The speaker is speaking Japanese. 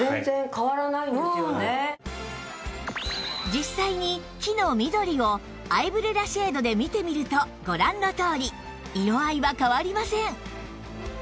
実際に木の緑をアイブレラシェードで見てみるとご覧のとおり色合いは変わりません